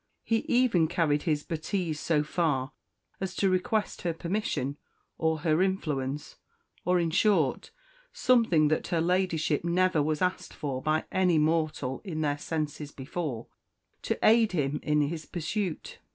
He even carried his bêtise so far as to request her permission, or her influence, or, in short, something that her Ladyship never was asked for by any mortal in their senses before, to aid him in his pursuit.